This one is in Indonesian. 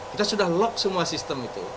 kita sudah lock semua sistem itu